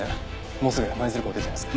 もうすぐ舞鶴港を出ちゃいます。